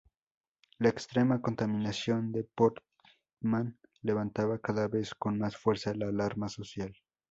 La extrema contaminación de Portmán levantaba cada vez con más fuerza la alarma social.